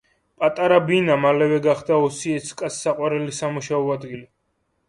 პატარა ბინა მალევე გახდა ოსიეცკას საყვარელი სამუშაო ადგილი.